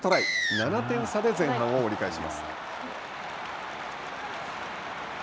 ７点差で前半を折り返します。